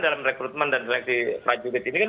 dalam rekrutmen dan seleksi prajurit ini kan